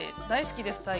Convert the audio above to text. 大好きです。